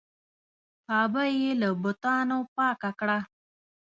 کعبه یې له بتانو پاکه کړه.